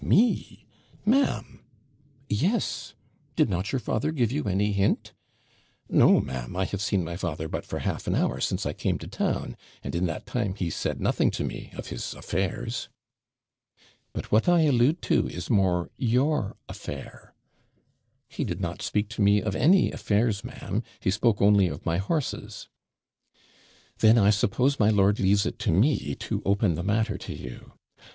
'Me! ma'am!' 'Yes! Did not your father give you any hint?' 'No, ma'am; I have seen my father but for half an hour since I came to town, and in that time he said nothing to me of his affairs.' 'But what I allude to is more your affair.' 'He did not speak to me of any affairs, ma'am he spoke only of my horses.' 'Then I suppose my lord leaves it to me to open the matter to you.